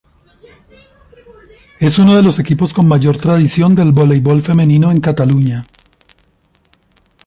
Es uno de los equipos con mayor tradición del voleibol femenino en Cataluña.